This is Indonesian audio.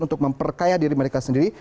untuk memperkaya diri mereka sendiri